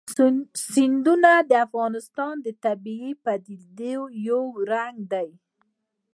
سیندونه د افغانستان د طبیعي پدیدو یو رنګ دی.